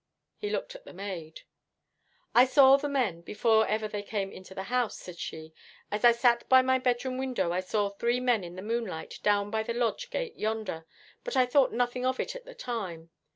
He looked at the maid. 'I saw the men before ever they came into the house,' said she. 'As I sat by my bedroom window I saw three men in the moonlight down by the lodge gate yonder, but I thought nothing of it at the time.